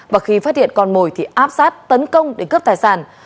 và khi phát hiện con mồi thì áp sát tấn công để cướp tài sản